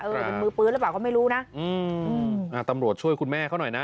เป็นมือปืนหรือเปล่าก็ไม่รู้นะอืมอ่าตำรวจช่วยคุณแม่เขาหน่อยนะ